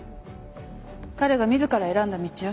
彼が自ら選んだ道よ。